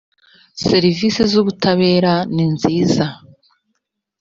serivisi z ubutabera ninziza